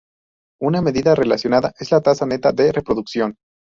Una medida relacionada es la tasa neta de reproducción.